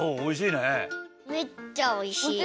めっちゃおいしい！